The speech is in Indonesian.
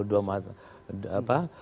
dua mata apa